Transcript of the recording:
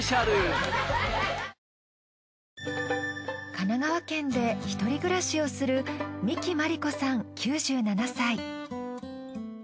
神奈川県で一人暮らしをする三木萬里子さん９７歳。